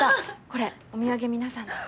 これお土産皆さんで。